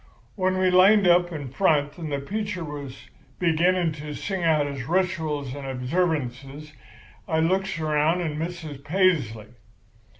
"When we lined up in front and the preacher was beginning to sing out his rituals and observances, I looks around and misses Paisley.